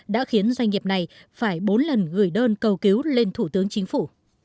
đã khiến doanh nghiệp này phải bốn lần gửi đơn cầu cứu lên thủ tướng chính phủ